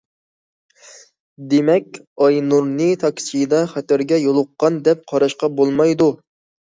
دېمەك، ئاينۇرنى تاكسىدا خەتەرگە يولۇققان دەپ قاراشقا بولمايدۇ.